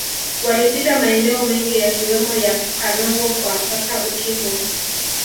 Walipita maeneo mengi yakiwemo ya Kanongo kwa sasa Ukimbu